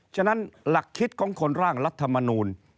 ฉะนั้นหลักคิดของคนร่างรัฐมนูล